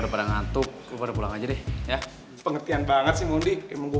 pada ngantuk kepada pulang aja deh ya pengertian banget sih mundi emang gue